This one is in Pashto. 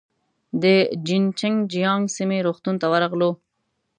د جين چنګ جيانګ سیمې روغتون ته ورغلو.